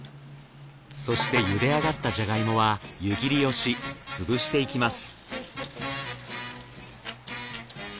そして茹であがったジャガイモは湯きりをし潰していきます。